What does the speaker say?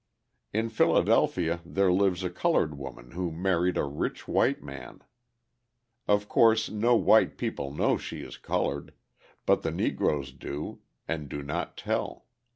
In Philadelphia there lives a coloured woman who married a rich white man. Of course, no white people know she is coloured, but the Negroes do, and do not tell.